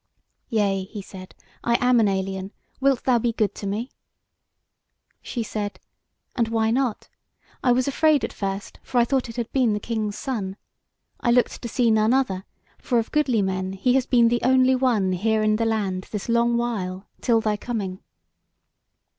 "Yea," he said, "I am an alien; wilt thou be good to me?" She said: "And why not? I was afraid at first, for I thought it had been the King's Son. I looked to see none other; for of goodly men he has been the only one here in the land this long while, till thy coming."